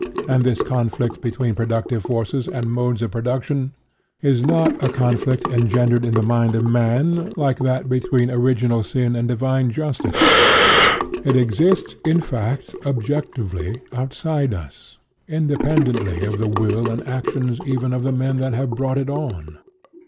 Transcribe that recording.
And this conflict between productive forces and modes of pro duction is not a conflict engendered in the mind of man, like that between original sin and divine justice. It exists, in fact, objectively, outside us, independently of the will and actions even of the men that have brought it on.